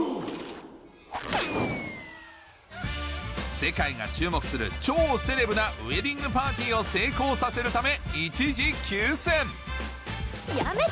世界が注目する超セレブなウエディングパーティーを成功させるため一時休戦やめて！